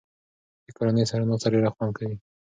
د کورنۍ سره ناسته ډېر خوند لري.